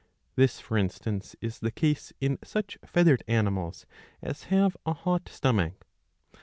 This for instance is the case in such feathered animals as have a hot stomach.